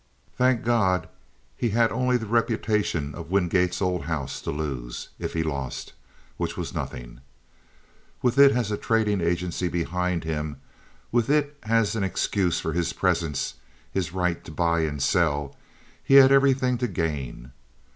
Thank God! he had only the reputation of Wingate's old house to lose, if he lost, which was nothing. With it as a trading agency behind him—with it as an excuse for his presence, his right to buy and sell—he had everything to gain.